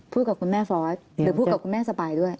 กับคุณแม่ฟอสหรือพูดกับคุณแม่สปายด้วย